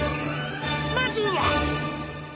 「まずは！」